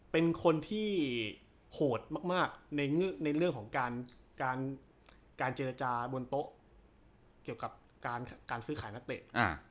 เป็นคนที่โหดมากในเรื่องของการเจรจาบนโต๊ะเกี่ยวกับการซื้อขายนักเตะ